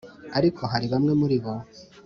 Ariko hari bamwe muri bo